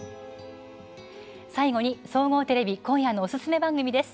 最後に、総合テレビ今夜のおすすめ番組です。